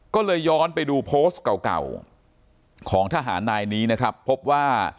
ก็เลยย้อนไปดูโพสต์เก่าของทหารนายนี้นะครับพบว่า